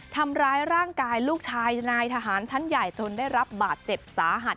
ทำร้ายร่างกายลูกชายนายทหารชั้นใหญ่จนได้รับบาดเจ็บสาหัส